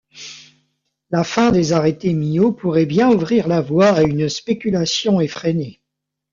La fin des arrêtés Miot pourrait bien ouvrir la voie à une spéculation effrénée.